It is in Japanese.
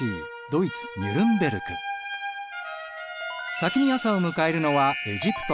先に朝を迎えるのはエジプト。